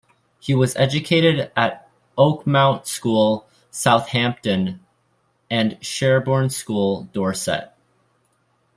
He was educated at Oakmount School, Southampton and Sherborne School, Dorset.